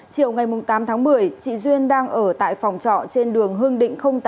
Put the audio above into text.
chiều ngày tám tháng một mươi chị duyên đang ở tại phòng trọ trên đường hương định tám